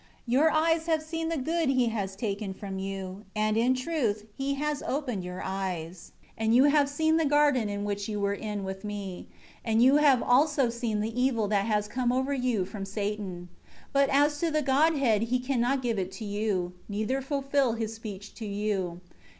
7 Your eyes have seen the good he has taken from you, and in truth he has opened your eyes; and you have seen the garden in which you were with Me, and you have also seen the evil that has come over you from Satan. But as to the Godhead he cannot give it to you, neither fulfil his speech to you.